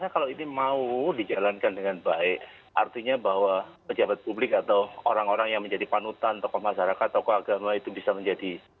kalau ini mau dijalankan dengan baik artinya bahwa pejabat publik atau orang orang yang menjadi panutan tokoh masyarakat tokoh agama itu bisa menjadi